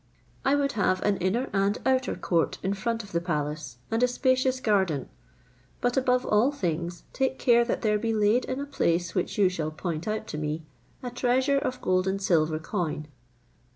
I would have an inner and outer court in front of the palace, and a spacious garden; but above all things, take care that there be laid in a place which you shall point out to me a treasure of gold and silver coin.